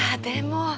でも。